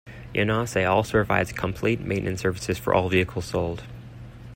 Yanase also provides complete maintenance services for all vehicles sold.